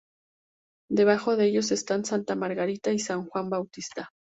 Debajo de ellos están santa Margarita y san Juan Bautista.